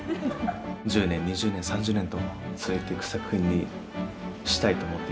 １０年２０年３０年と続いていく作品にしたいと思っています。